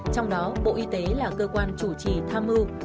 trong đó bộ y tế là cơ quan chủ trì tham mưu